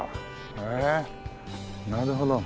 へえなるほど。